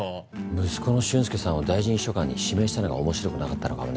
息子の俊介さんを大臣秘書官に指名したのが面白くなかったのかもね。